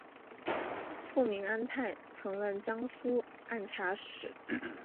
父明安泰曾任江苏按察使。